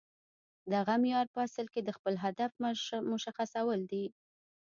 دغه معیار په اصل کې د خپل هدف مشخصول دي